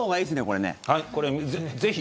これは、ぜひ。